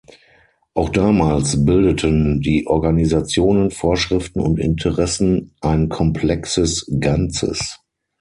Auch damals bildeten die Organisationen, Vorschriften und Interessen ein komplexes Ganzes.